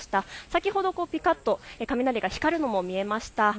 先ほどぴかっと雷が光るのも見えました。